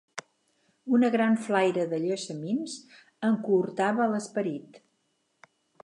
Una gran flaire de llessamins aconhortava l'esperit